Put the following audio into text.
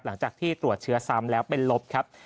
หลังจากที่ตรวจเชื้อซ้ำแล้วเป็นลบครับ